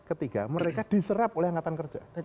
ketiga mereka diserap oleh angkatan kerja